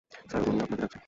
Sir, ওনি আপনাকে ডাকছে।